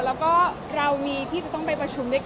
เป็นคนสีอย่างนี้อยู่แล้ว